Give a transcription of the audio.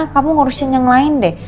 kamu ngurusin yang lain deh